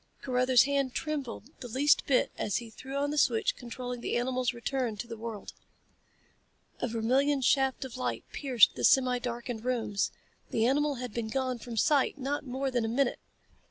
Carruthers' hand trembled the least bit as he threw on the switch controlling the animal's return to the world. A vermilion shaft of light pierced the semi darkened rooms. The animal had been gone from sight not more than a minute.